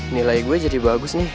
nilai gue jadi bagus nih